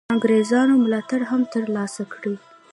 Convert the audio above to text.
انګرېزانو ملاتړ هم تر لاسه کړي.